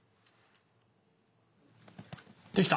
できた！